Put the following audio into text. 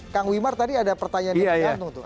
kang wimar tadi ada pertanyaan yang digantung